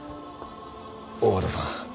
大和田さん